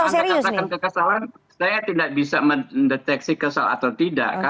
kalau anda katakan kekesalan saya tidak bisa mendeteksi kesal atau tidak